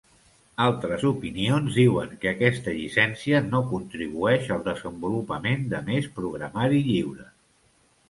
Altres opinions diuen que aquesta llicència no contribueix al desenvolupament de més programari lliure.